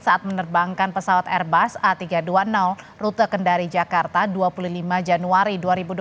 saat menerbangkan pesawat airbus a tiga ratus dua puluh rute kendari jakarta dua puluh lima januari dua ribu dua puluh